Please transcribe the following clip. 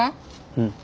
うん。